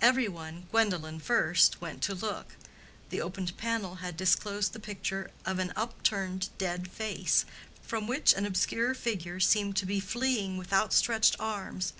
Every one, Gwendolen first, went to look. The opened panel had disclosed the picture of an upturned dead face, from which an obscure figure seemed to be fleeing with outstretched arms.